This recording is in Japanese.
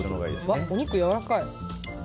お肉やわらかい。